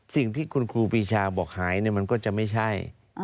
สิ่งที่คุณครูปีชาบอกหายมันก็จะไม่ใช่